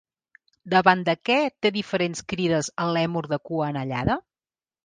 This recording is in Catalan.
Davant de què té diferents crides el lèmur de cua anellada?